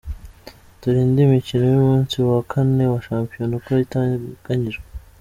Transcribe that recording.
Dore indi mikino y’umunsi wa kane wa shampiyona uko iteganyijwe:.